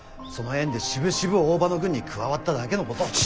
その縁でしぶしぶ大庭の軍に加わっただけのこと。